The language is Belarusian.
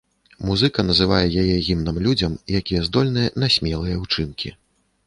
Музыка называе яе гімнам людзям, якія здольныя на смелыя ўчынкі.